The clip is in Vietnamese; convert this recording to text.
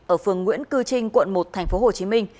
ở phường nguyễn cư trinh quận một tp hcm